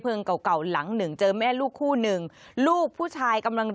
เก่าเก่าหลังหนึ่งเจอแม่ลูกคู่หนึ่งลูกผู้ชายกำลัง